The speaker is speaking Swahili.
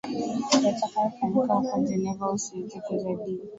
yatakayo fanyika huko geneva uswizi kujadili